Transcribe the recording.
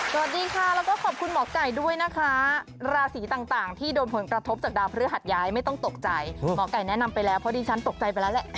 สวัสดีค่ะแล้วก็ขอบคุณหมอไก่ด้วยนะคะราศีต่างที่โดนผลกระทบจากดาวพฤหัสย้ายไม่ต้องตกใจหมอไก่แนะนำไปแล้วเพราะดิฉันตกใจไปแล้วแหละ